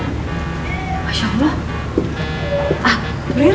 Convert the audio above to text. masya allah april